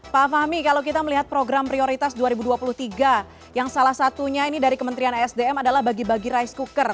pak fahmi kalau kita melihat program prioritas dua ribu dua puluh tiga yang salah satunya ini dari kementerian sdm adalah bagi bagi rice cooker